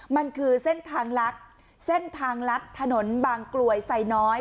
มันคือเส้นทางลักษณ์ถนนบางกลวยไซน้อย